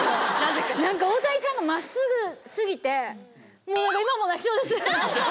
なんか大谷さんがまっすぐすぎて、もうなんか今も泣きそうです。